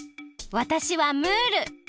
わたしはムール。